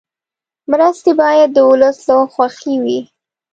مرستې باید د ولس له خوښې وي.